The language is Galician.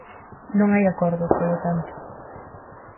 Non hai acordo, polo tanto.